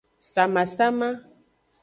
Samasama.